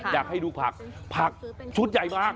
อยากให้ดูผักผักชุดใหญ่มาก